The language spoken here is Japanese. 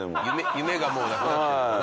夢がもうなくなってるのかな。